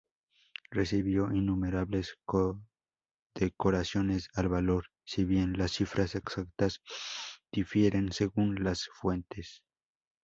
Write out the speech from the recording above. Recibió innumerables condecoraciones al valor, si bien las cifras exactas difieren según las fuentes.